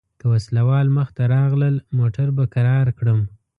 که وسله وال مخته راغلل موټر به کرار کړم.